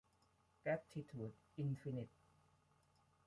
แกรททิทูด อินฟินิท